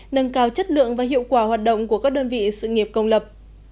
nâng cao chất lượng và hiệu quả hoạt động của các đơn vị sự nghiệp công lập